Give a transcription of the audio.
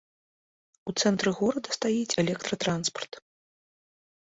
У цэнтры горада стаіць электратранспарт.